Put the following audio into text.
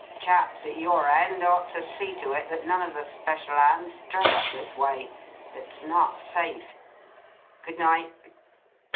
Chaps at your end ought to see to it that none of the special hands stray up this way. It's not safe. Good night."